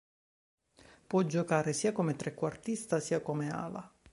Può giocare sia come trequartista, sia come ala.